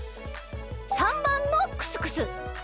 ３ばんのクスクス。